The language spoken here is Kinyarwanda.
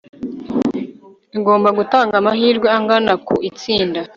igomba gutanga amahirwe angana ku itsinda